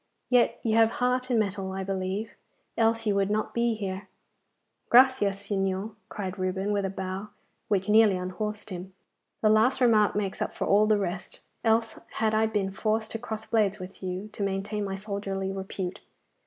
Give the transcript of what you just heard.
Yet you have heart and mettle, I believe, else you would not be here.' 'Gracias, Signor!' cried Reuben, with a bow which nearly unhorsed him; 'the last remark makes up for all the rest, else had I been forced to cross blades with you, to maintain my soldierly repute.